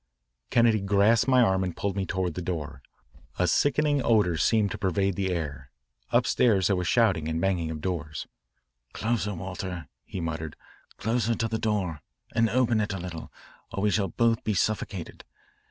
Craig grasped my arm and pulled me toward the door. A sickening odour seemed to pervade the air. Upstairs there was shouting and banging of doors. "Closer, Walter," he muttered, "closer to the door, and open it a little, or we shall both be suffocated.